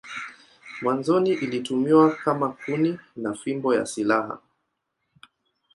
Mwanzoni ilitumiwa kama kuni na fimbo ya silaha.